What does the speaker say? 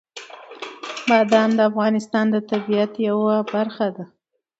بادام د افغانستان د طبیعت یوه برخه ده.